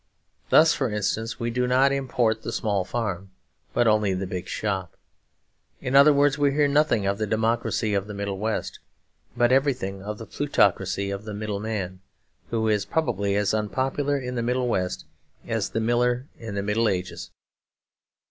Thus, for instance, we do not import the small farm but only the big shop. In other words, we hear nothing of the democracy of the Middle West, but everything of the plutocracy of the middleman, who is probably as unpopular in the Middle West as the miller in the Middle Ages.